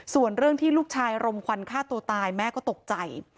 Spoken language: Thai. ส่วนเรื่องที่ลูกชายรมควันฆ่าตัวตายแม่ก็ตกใจ